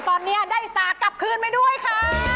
ตอนนี้ได้อุตส่าห์กลับคืนไปด้วยค่ะ